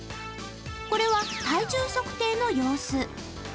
これは、体重測定の様子。